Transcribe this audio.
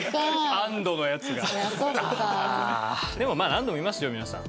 でもまあ何度も言いますよ皆さん。